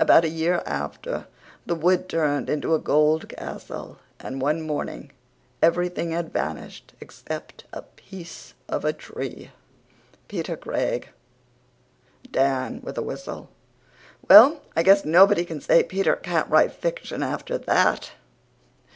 About a year after the wood turned into a gold castle and one morning everything had vanished except a piece of a tree. PETER CRAIG. (DAN, WITH A WHISTLE: "Well, I guess nobody can say Peter can't write fiction after THAT."